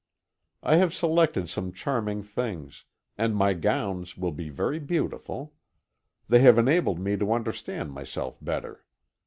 I have selected some charming things, and my gowns will be very beautiful. They have enabled me to understand myself better.